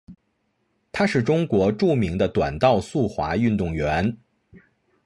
她是中国著名的短道速滑运动员。